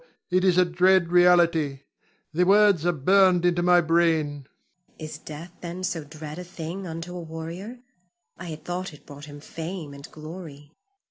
it is a dread reality. The words are burned into my brain. Zuleika. Is death, then, so dread a thing unto a warrior? I had thought it brought him fame and glory.